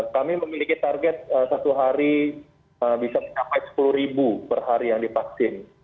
kami memiliki target satu hari bisa mencapai sepuluh ribu per hari yang divaksin